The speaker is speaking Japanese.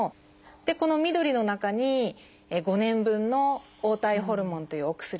この緑の中に５年分の黄体ホルモンというお薬が入っていて。